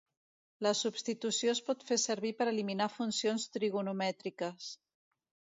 La substitució es pot fer servir per eliminar funcions trigonomètriques.